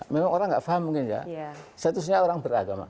memang orang nggak paham mungkin ya statusnya orang beragama